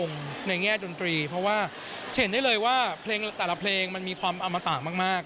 คิดเลยว่าเพลงแต่ละเพลงมันมีความอมตามาก